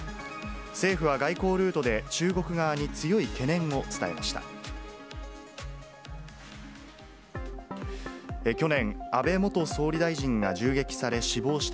政府は外交ルートで、中国側に強い懸念を伝えました。